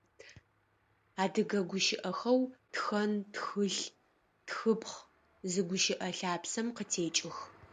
Адыгэ гущыӏэхэу «тхэн», «тхылъ», «тхыпхъ» зы гущыӏэ лъапсэм къытекӏых.